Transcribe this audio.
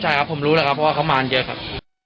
ใช่ครับผมรู้แล้วครับเพราะว่าเขามาเยอะครับ